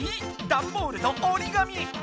ダンボールとおりがみ。